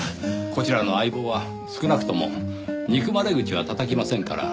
こちらの相棒は少なくとも憎まれ口はたたきませんから。